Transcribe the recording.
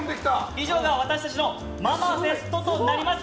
以上が私たちのママフェストとなります。